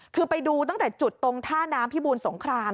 คือไปดูตั้งแต่จุดตรงท่าน้ำพิบูรสงคราม